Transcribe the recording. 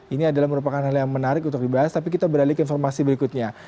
ini adalah merupakan hal yang menarik untuk dibahas tapi kita beralih ke informasi berikutnya